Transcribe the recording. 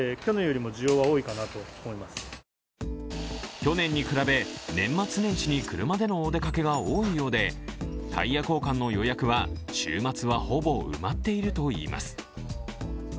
去年に比べ、年末年始に車でのお出かけが多いようで、タイヤ交換の予約は週末はほぼ埋まっているといいます。